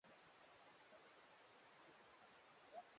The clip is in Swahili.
Kongamano liliandaliwa na taasisi ya Uongozi Tanzania